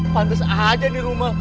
pantes aja di rumah